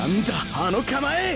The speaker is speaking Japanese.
あの構え！？